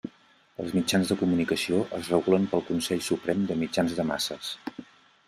Els mitjans de comunicació es regulen pel Consell Suprem de Mitjans de Masses.